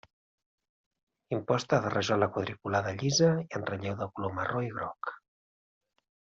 Imposta de rajola quadriculada llisa i en relleu de color marró i groc.